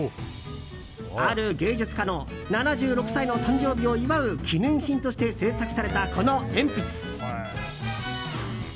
ある芸術家の７６歳の誕生日を祝う記念品として制作されたこの鉛筆。